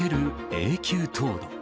永久凍土。